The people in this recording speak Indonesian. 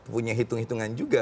punya hitung hitungan juga